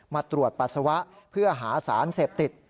มาตรวจปัสสาวะเพื่อหาสารเสพติด